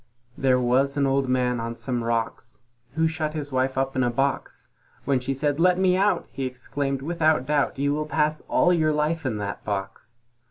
There was an Old Man on some rocks, Who shut his Wife up in a box: When she said, "Let me out," he exclaimed, "Without doubt You will pass all your life in that box."